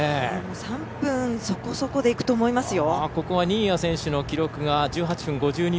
３分そこそこでいくと思いますよ。